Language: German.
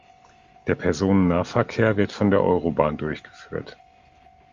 Der Personennahverkehr wird von der Eurobahn durchgeführt.